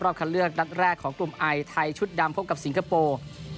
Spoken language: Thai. คันเลือกนัดแรกของกลุ่มไอไทยชุดดำพบกับสิงคโปร์